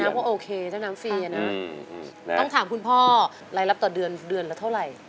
คนนั้นก็โอเคถ้าน้ำฟรีอ่ะนะต้องถามคุณพ่อรายลับต่อเดือนแล้วเท่าไร